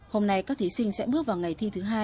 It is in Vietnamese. hôm nay các thí sinh sẽ bước vào ngày thi thứ hai